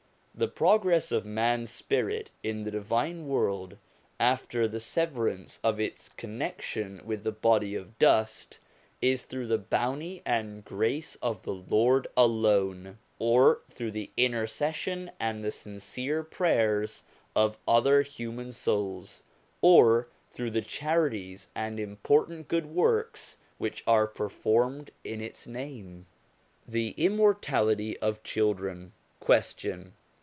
The progress of man's spirit in the divine world, after the severance of its connection with the body of dust, is through the bounty and grace of the Lord alone, or through the intercession and the sincere prayers of other human souls, or through the charities and important good works which are performed in its name. THE IMMORTALITY OF CHILDREN Question.